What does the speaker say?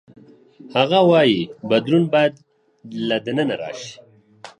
هغه وايي بدلون باید له دننه راشي.